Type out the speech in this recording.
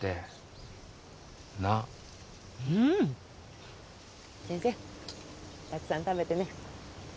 たくさん食べてね。